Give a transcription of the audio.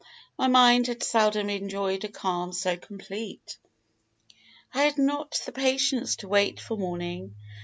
My mind had seldom enjoyed a calm so complete. "I had not the patience to wait for morning.